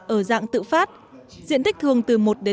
ở dạng tự phát diện tích thường từ một đến ba hectare